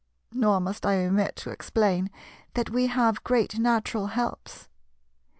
Nor must I omit to explain that we have great natural helps.